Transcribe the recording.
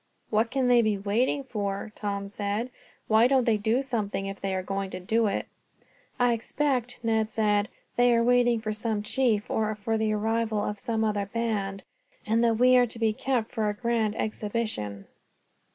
"What can they be waiting for?" Tom said. "Why don't they do something if they are going to do it." "I expect," Ned answered, "that they are waiting for some chief, or for the arrival of some other band, and that we are to be kept for a grand exhibition."